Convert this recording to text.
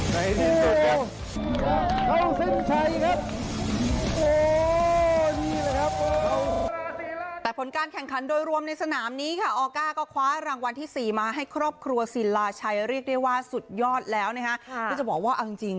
แต่ผลการแข่งขันโดยรวมในสนามนี้ค่ะออก้าก็คว้ารางวัลที่๔มาให้ครอบครัวศิลาชัยเรียกได้ว่าสุดยอดแล้วนะคะที่จะบอกว่าเอาจริง